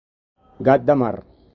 Gat de mar.